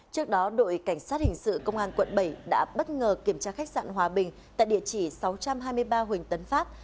trước đó đội cảnh sát hình sự công an quận bảy đã bất ngờ kiểm tra khách sạn hòa bình tại địa chỉ sáu trăm hai mươi ba huỳnh tấn pháp